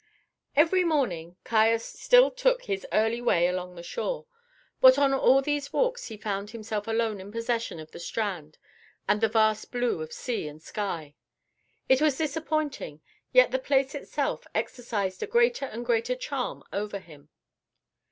Every morning Caius still took his early way along the shore, but on all these walks he found himself alone in possession of the strand and the vast blue of sea and sky. It was disappointing, yet the place itself exercised a greater and greater charm over him.